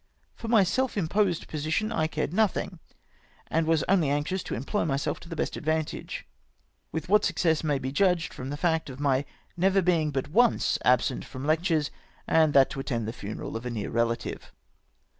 For my self imposed position I cared notliing, and was only anxious to employ myself to the best advantage. With what success may be judged from the fact of my never being but once absent from lectures, and that to attend the funeral of a near relative.